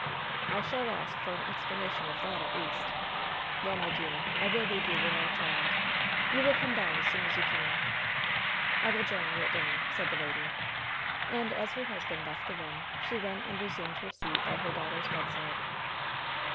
"I shall ask for an explanation of that, at least. Well, my dear, I will leave you with our child. You will come down as soon as you can." "I will join you at dinner," said the lady. And, as her husband left the room, she went and resumed her seat by her daughter's bedside.